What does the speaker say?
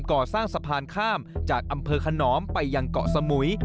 ก่อสร้างสะพานข้ามจากอำเภอขนอมไปยังเกาะสมุย